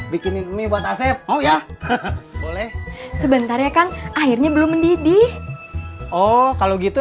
bikinin mie buat asep oh ya boleh sebentar ya kan airnya belum mendidih oh kalau gitu